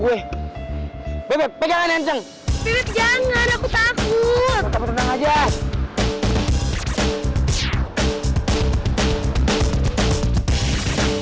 ember tau gentong aja sob